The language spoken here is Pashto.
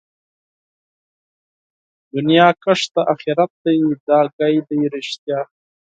دنيا کښت د آخرت دئ دا خبره ده رښتيا